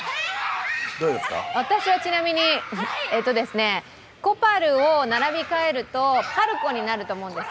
私はちなみに、コパルを並び替えるとパルコになると思うんです。